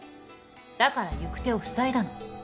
だから行く手をふさいだの。